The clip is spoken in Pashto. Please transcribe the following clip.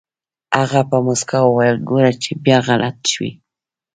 هغه په موسکا وويل ګوره چې بيا غلط شوې.